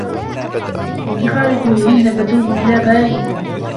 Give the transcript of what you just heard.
بِاتِّخَاذِكُمُ الْعِجْلَ فَتُوبُوا إِلَىٰ بَارِئِكُمْ